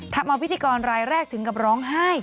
ทำเอาพิธีกรรายแรกถึงกับร้องไห้